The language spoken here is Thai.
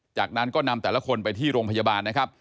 จากนั้นก็นำแต่ละคนไปที่โรงพยาบาลนะครับ